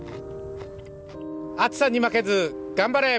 暑さに負けず頑張れ！